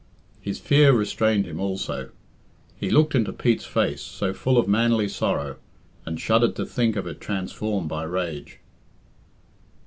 His fear restrained him also. He looked into Pete's face, so full of manly sorrow, and shuddered to think of it transformed by rage.